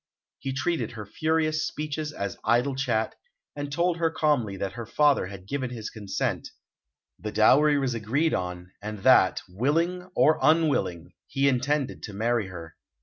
He treated her furious speeches as idle chat, and told her calmly that her father had given his consent, the dowry was agreed on, and that, willing or unwilling, he intended to marry her.